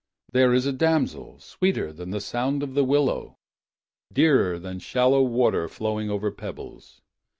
There is a damsel. Sweeter than the sound of the willow. Dearer than shallow water Flowing over pebbles